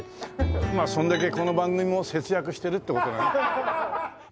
まあそんだけこの番組も節約してるって事。